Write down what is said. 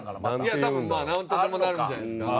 いや多分なんとでもなるんじゃないですか？